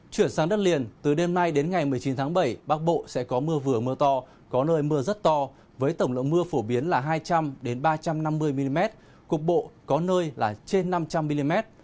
chuyển sang đất liền từ đêm nay đến ngày một mươi chín tháng bảy bắc bộ sẽ có mưa vừa mưa to có nơi mưa rất to với tổng lượng mưa phổ biến là hai trăm linh ba trăm năm mươi mm cục bộ có nơi là trên năm trăm linh mm